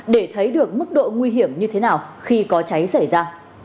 để thấy được mức độ nguy hiểm như thế nào khi có cháy xảy ra